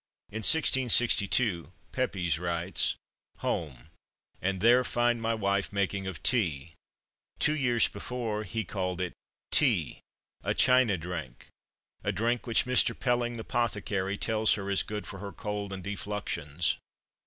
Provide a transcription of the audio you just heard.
In 1662 Pepys writes "Home, and there find my wife making of tea" two years before, he called it "tee (a China drink)" "a drink which Mr. Pelling the Pothicary tells her is good for her cold and defluxions."